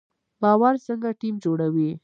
باور څنګه ټیم جوړوي؟